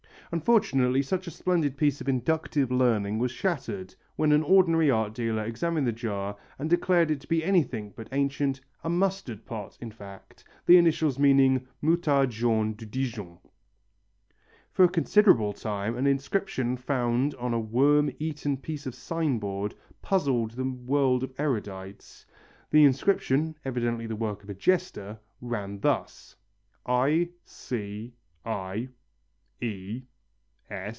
Unfortunately such a splendid piece of inductive learning was shattered when an ordinary art dealer examined the jar and declared it to be anything but ancient, a mustard pot in fact, the initials meaning MOUTARDE JAUNE DE DIJON. For a considerable time an inscription found on a worm eaten piece of a sign board puzzled the world of erudites. The inscription, evidently the work of a jester, ran thus: I.C.I.................E.........